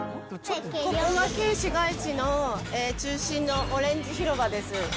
ここが旧市街地の中心のオレンジ広場です。